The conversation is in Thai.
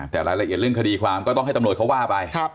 แต่รายละเอียดเรื่องคดีความก็ต้องให้ตำรวจเขาว่าไป